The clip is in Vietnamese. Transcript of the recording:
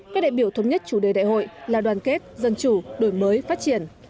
các đại biểu thống nhất chủ đề đại hội là đoàn kết dân chủ đổi mới phát triển